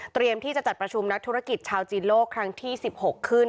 ที่จะจัดประชุมนักธุรกิจชาวจีนโลกครั้งที่๑๖ขึ้น